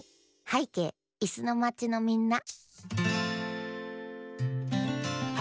「はいけいいすのまちのみんな」